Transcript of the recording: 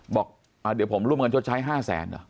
บอกเดี๋ยวผมร่วมเงินชดใช้๕๐๐๐๐๐บาทเหรอ